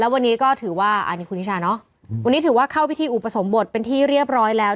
วันนี้ถือว่าเข้าพิธีอุปสรมบวชเป็นทีเรียบร้อยแล้ว